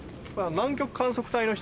北極観測隊の人？